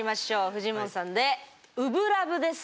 フジモンさんで「初心ＬＯＶＥ」です。